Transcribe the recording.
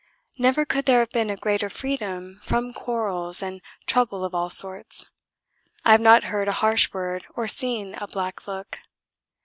Never could there have been a greater freedom from quarrels and trouble of all sorts. I have not heard a harsh word or seen a black look.